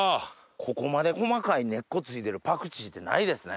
ここまで細かい根っこ付いてるパクチーってないですね。